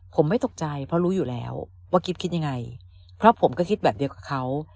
ผมไม่ตกใจเพราะรู้อยู่แล้วว่ากิ๊บคิดยังไงเพราะผมก็คิดแบบเดียวกับเขา